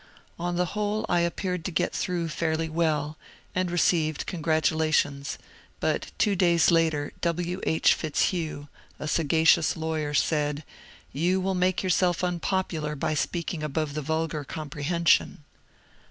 On the whole I appeared to get through fairly well, and received congratu lations, but two days later W. H. Fitzhugh, a sagacious law yer, said, " You will make yourself unpopular by speaking above the vulgar comprehension.".